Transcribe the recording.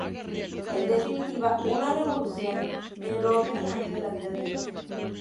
En definitiva, una revolución en lo ordinario de la vida diaria.